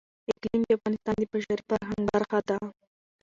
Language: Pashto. اقلیم د افغانستان د بشري فرهنګ برخه ده.